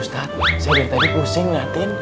ustaz saya dari tadi pusing ngeliatin